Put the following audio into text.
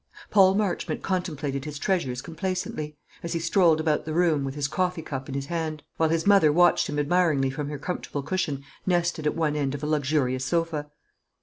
Paul Marchmont contemplated his treasures complacently, as he strolled about the room, with his coffee cup in his hand; while his mother watched him admiringly from her comfortable cushioned nest at one end of a luxurious sofa.